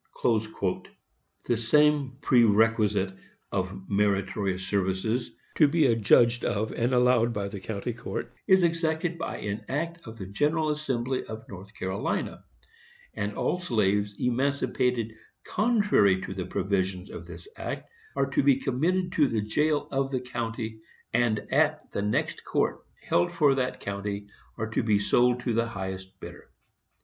The same pre requisite of "meritorious services, to be adjudged of and allowed by the county court," is exacted by an act of the General Assembly of North Carolina; and all slaves emancipated contrary to the provisions of this act are to be committed to the jail of the county, and at the next court held for that county are to be sold to the highest bidder.